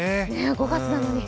５月なのに。